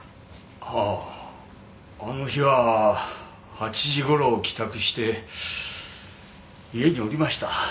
はああの日は８時頃帰宅して家におりました。